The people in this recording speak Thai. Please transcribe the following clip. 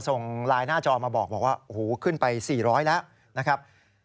ส่งไลน์หน้าจอมาบอกว่าโอ้โหขึ้นไป๔๐๐แล้วนะครับ